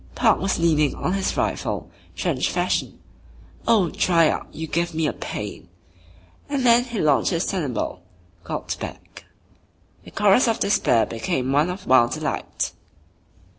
Park was leaning on his rifle, trench fashion. "Oh, dry up. You give me a pain." And then he launched his thunderbolt, "Gault's back." The chorus of despair became one of wild delight.